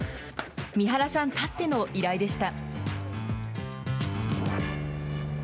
三原さんたっての依頼でした。